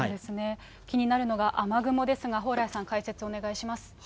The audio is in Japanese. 気になるのが、雨雲ですが、蓬莱さん、解説お願いします。